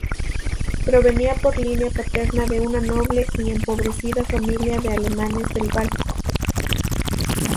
Provenía por línea paterna de una noble y empobrecida familia de alemanes del Báltico.